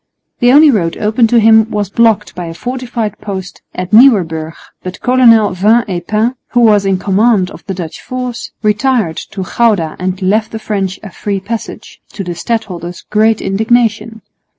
The only road open to him was blocked by a fortified post at Nieuwerbrug, but Colonel Vin et Pain, who was in command of the Dutch force, retired to Gouda and left the French a free passage, to the stadholder's great indignation.